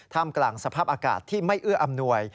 มกลางสภาพอากาศที่ไม่เอื้ออำนวย